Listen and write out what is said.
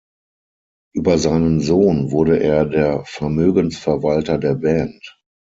Über seinen Sohn wurde er der Vermögensverwalter der Band.